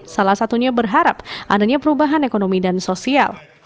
salah satunya berharap adanya perubahan ekonomi dan sosial